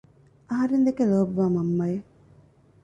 އަހަރެން ދެކެ ލޯބިވާ މަންމައެއް